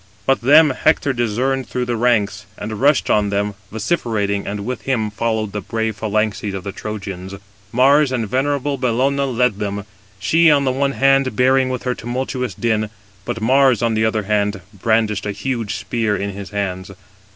But them Hector discerned through the ranks, and rushed on them, vociferating, and with him followed the brave phalanxes of the Trojans. Mars and venerable Bellona led them; she, on the one hand, bearing with her tumultuous Din, but Mars, on the other, brandished a huge spear in his hands.